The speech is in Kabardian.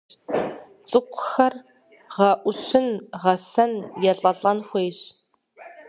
Цӏыкӏухэр гъэӀущын, гъэсэн, елӀэлӀэн хуейт.